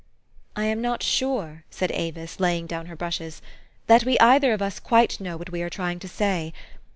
"" I am not sure," said Avis, laying down her brushes, " that we either of us quite know what we are trying to say.